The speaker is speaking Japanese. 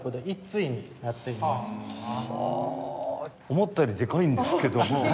思ったよりでかいんですけども。